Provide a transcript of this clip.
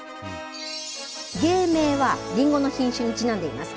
芸名はりんごの品種にちなんでいます。